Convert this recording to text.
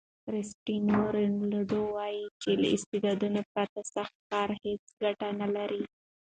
کرسټیانو رونالډو وایي چې له استعداد پرته سخت کار هیڅ ګټه نلري.